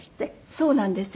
そうなんです。